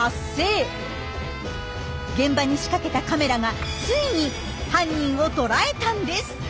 現場に仕掛けたカメラがついに犯人を捉えたんです！